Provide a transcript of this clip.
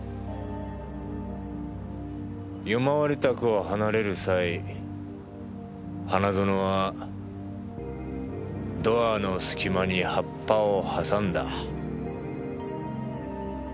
夜回り宅を離れる際花園はドアの隙間に葉っぱを挟んだ。